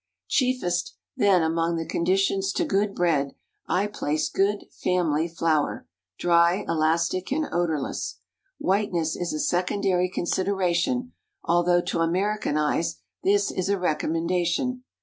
Chiefest then among the conditions to good bread, I place good "family" flour—dry, elastic, and odorless. Whiteness is a secondary consideration, although, to American eyes, this is a recommendation.